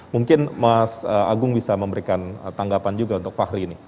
mungkin mas agung bisa memberikan tanggapan juga untuk fahri ini